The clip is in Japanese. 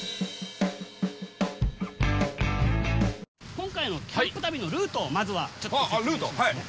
今回のキャンプ旅のルートをまずはちょっと説明しますね。